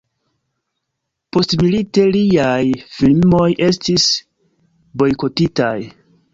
Postmilite liaj filmoj estis bojkotitaj.